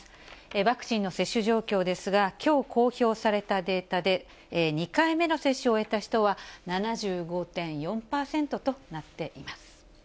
ワクチンの接種状況ですが、きょう公表されたデータで２回目の接種を終えた人は７５．４％となっています。